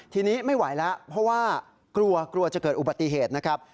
ทีนี้ไม่ไหวแล้วเพราะว่ากลัวกลัวจะเกิดอุบัติเหตุนะครับ